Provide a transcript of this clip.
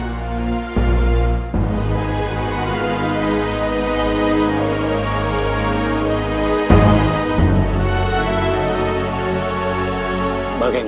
kau harus menggunakan kekuatan itu